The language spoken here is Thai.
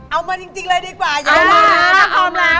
เอามาจริงเลยดีกว่า